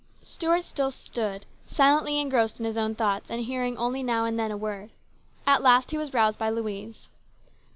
Stuart still stood silently engrossed in his own thoughts, and hearing only now and then a word. At last he was roused by Louise.